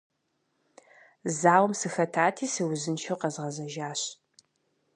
Зауэм сыхэтати, сыузыншэу къэзгъэзэжащ.